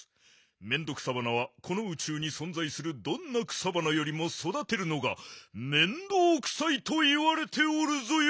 メンドクサバナはこのうちゅうにそんざいするどんな草花よりもそだてるのがめんどうくさいといわれておるぞよ！